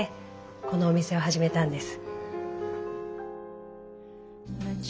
このお店を始めたんです。